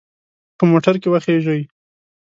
په موټر کې وخیژئ.